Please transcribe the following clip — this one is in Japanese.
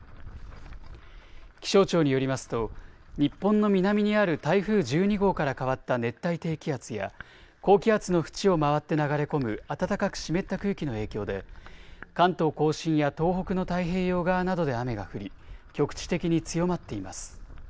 気象庁によりますと日本の南にある台風１２号から変わった熱帯低気圧や高気圧の縁を回って流れ込む暖かく湿った空気の影響で関東甲信や東北の太平洋側などで雨が降り局地的に強まっています。